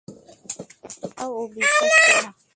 এতটাও বিশ্বাস করি না।